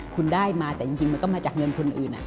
คุณได้มาแต่จริงมันก็มาจากเงินคนอื่น